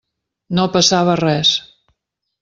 No passava res.